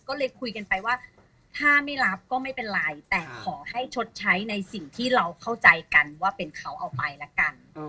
ก็เลยคุยกันไปว่าถ้าไม่รับก็ไม่เป็นไรแต่ขอให้ชดใช้ในสิ่งที่เราเข้าใจกันว่าเป็นเขาเอาไปละกัน